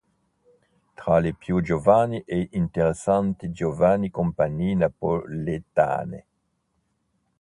Tra le più giovani e interessanti giovani compagnie napoletane.